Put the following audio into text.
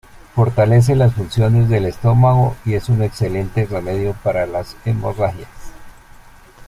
Fortalece las funciones del estómago y es un excelente remedio para las hemorragias.